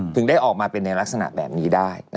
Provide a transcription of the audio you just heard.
ถึงได้ออกมาเป็นในลักษณะแบบนี้ได้